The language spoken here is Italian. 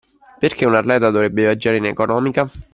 Perché un atleta dovrebbe viaggiare in economica.